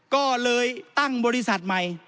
ก็เลยตั้งบริษัทใหม่